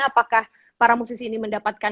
apakah para musisi ini mendapatkan